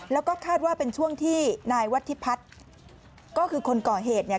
แล้วก็คาดว่าเป็นช่วงที่นายวัฒิพัฒน์ก็คือคนก่อเหตุเนี่ย